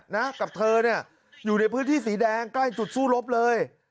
นะกับเธอเนี่ยอยู่ในพื้นที่สีแดงใกล้จุดสู้รบเลย